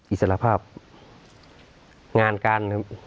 อิสระภาพงานการ